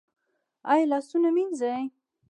ایا لاسونه مینځي؟